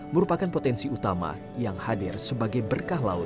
merupakan potensi utama yang hadir sebagai berkah laut